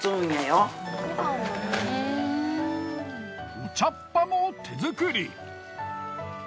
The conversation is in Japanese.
お茶っ葉も手作り。